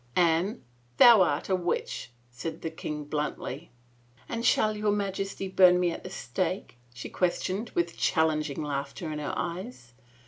Anne, thou art a witch," said the king bluntly. And shall your Majesty bum me at the stake? " she questioned with challenging laughter in her eyes.